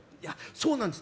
そうなんです。